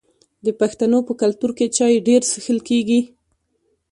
د پښتنو په کلتور کې چای ډیر څښل کیږي.